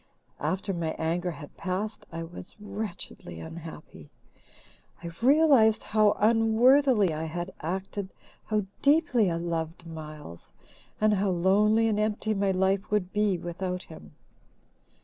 "After my anger had passed, I was wretchedly unhappy. I realized how unworthily I had acted, how deeply I loved Miles, and how lonely and empty my life would be without him.